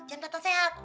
jangan kelihatan sehat